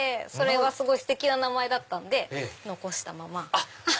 すごいステキな名前だったんで残したまま。